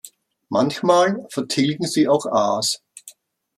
Manchmal vertilgen sie auch Aas.